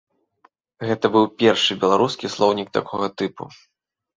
Гэта быў першы беларускі слоўнік такога тыпу.